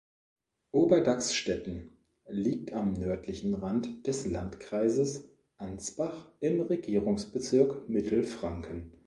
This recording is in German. Oberdachstetten liegt am nördlichen Rand des Landkreises Ansbach im Regierungsbezirk Mittelfranken.